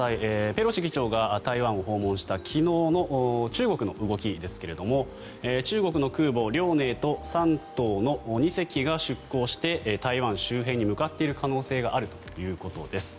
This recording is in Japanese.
ペロシ議長が台湾を訪問した昨日の中国の動きですが中国の空母「遼寧」と「山東」の２隻が出航して台湾周辺に向かっている可能性があるということです。